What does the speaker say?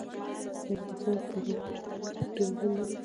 آیا د پښتنو په کلتور کې د جمعې لمونځ ډیر مهم نه دی؟